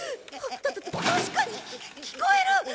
たたた確かに聞こえる！